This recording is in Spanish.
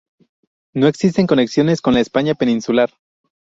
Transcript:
No existen conexiones con la España peninsular.